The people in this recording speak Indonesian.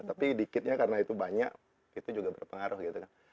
tapi dikitnya karena itu banyak itu juga berpengaruh gitu kan